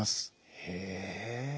へえ。